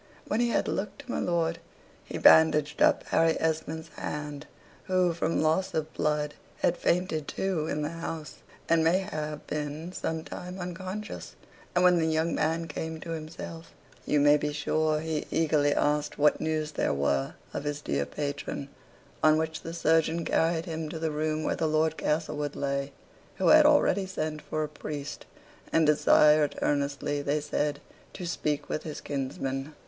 When he had looked to my lord, he bandaged up Harry Esmond's hand (who, from loss of blood, had fainted too, in the house, and may have been some time unconscious); and when the young man came to himself, you may be sure he eagerly asked what news there were of his dear patron; on which the surgeon carried him to the room where the Lord Castlewood lay; who had already sent for a priest; and desired earnestly, they said, to speak with his kinsman.